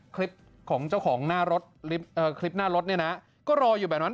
คลิปของเจ้าของหน้ารถเอ่อคลิปหน้ารถเนี้ยน่ะก็รออยู่แบบนั้น